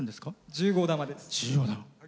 １０号玉です。